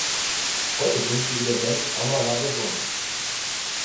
Heute singt sie in der Band Amma La Dogon.